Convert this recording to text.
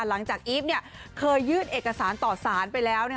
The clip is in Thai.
หลังจากอีฟเคยยืดเอกสารต่อสารไปแล้ว